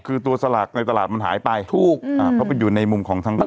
คือตัวสลากในตลาดมันหายไปถูกอ่าเพราะมันอยู่ในมุมของทางร้าน